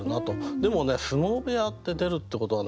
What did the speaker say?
でもね「相撲部屋」って出るってことはね